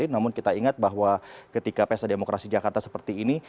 namun kita ingat bahwa ketika pesademokrasi jakarta seperti ini